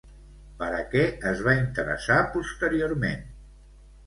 Per a què es va interessar posteriorment?